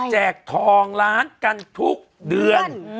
แจกทองล้านกันทุกเดือน